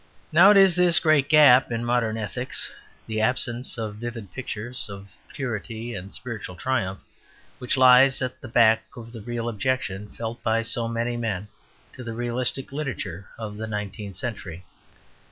Now, it is this great gap in modern ethics, the absence of vivid pictures of purity and spiritual triumph, which lies at the back of the real objection felt by so many sane men to the realistic literature of the nineteenth century.